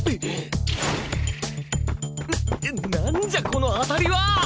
な何じゃこの当たりは！？